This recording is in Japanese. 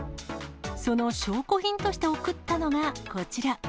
その証拠品として送ったのがこちら。